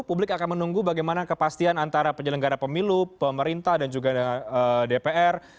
publik akan menunggu bagaimana kepastian antara penyelenggara pemilu pemerintah dan juga dpr